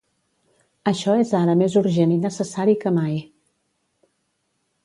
Això és ara més urgent i necessari que mai.